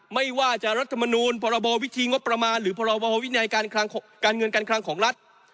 ไม่ว่าจะรัฐมนูลพรบวิธีงบประมาณหรือพรบวินัยการเงินการคลังของรัฐ